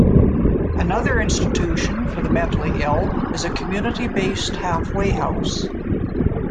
Another institution for the mentally ill is a community-based halfway house.